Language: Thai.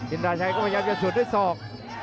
อินทราชัยก็พยายามจะสวดด้วยศอก